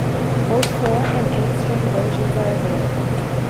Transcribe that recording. Both four and eight string versions are available.